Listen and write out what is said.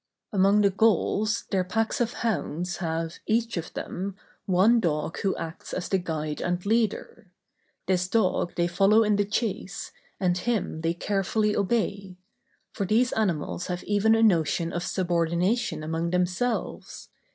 Among the Gauls their packs of hounds have, each of them, one dog who acts as the guide and leader. This dog they follow in the chase, and him they carefully obey; for these animals have even a notion of subordination among themselves.